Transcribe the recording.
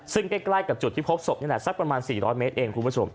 ซึ่งใกล้กับจุดที่พบศพนี่แหละสักประมาณ๔๐๐เมตรเองคุณผู้ชม